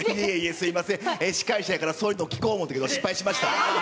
すみません、司会者やからそういうの聞こう思ったけど、失敗しました。